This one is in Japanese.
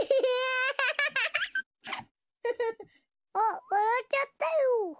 あっわらっちゃったよ。